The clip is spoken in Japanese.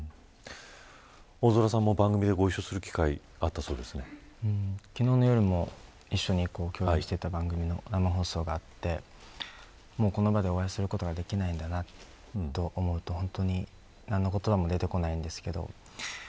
大空さんも番組でご一緒する機会が昨日の夜も一緒に共演していた番組の生放送があってもうこの場でお会いすることができないんだなと思うと本当に何の言葉も出てこないんですけど。